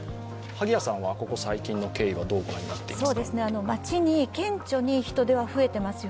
ここ最近の経緯はどう御覧になっていますか？